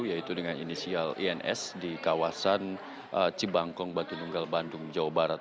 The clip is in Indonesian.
yaitu dengan inisial ins di kawasan cibangkong batu nunggal bandung jawa barat